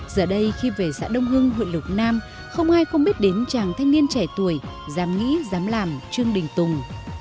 giờ đây khi về xã đông hưng huyện lục nam không ai không biết đến chàng thanh niên trẻ tuổi dám nghĩ dám làm trương đình tùng